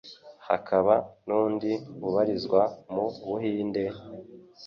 hakaba nundi ubarizwa mu Buhinde,